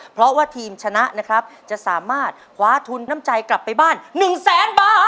เพราะว่าทีมชนะนะครับจะสามารถคว้าทุนน้ำใจกลับไปบ้าน๑แสนบาท